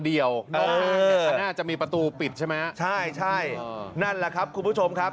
อันนี้อาจจะมีประตูปิดใช่ไหมใช่นั่นแหละครับคุณผู้ชมครับ